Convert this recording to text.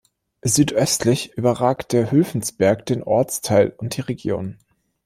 Südöstlich überragt der "Hülfensberg" den Ortsteil und die Region.